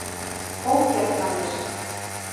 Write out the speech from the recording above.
Ом керт, манеш.